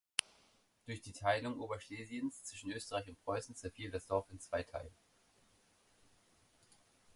Durch die Teilung Oberschlesiens zwischen Österreich und Preußen zerfiel das Dorf in zwei Teil.